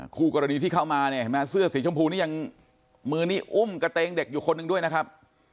คู่กรณีที่เข้ามาเนี่ยเห็นไหมเสื้อสีชมพูนี่ยังมือนี้อุ้มกระเตงเด็กอยู่คนหนึ่งด้วยนะครับ